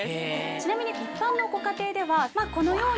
ちなみに一般のご家庭ではこのように。